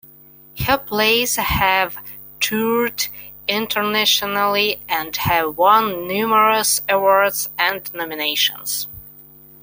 Her plays have toured internationally and have won numerous awards and nominations.